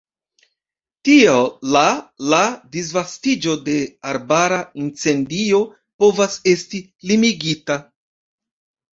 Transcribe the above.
Tial la la disvastiĝo de arbara incendio povas esti limigita.